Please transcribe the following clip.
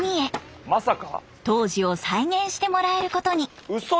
当時を再現してもらえることに。